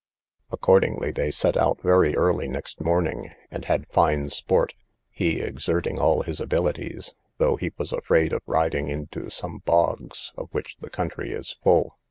Accordingly, they set out very early next morning, and had fine sport, he exerting all his abilities, though he was afraid of riding into some bogs, of which the country is full.